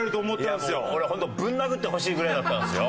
いやもうこれ本当ぶん殴ってほしいぐらいだったんですよ。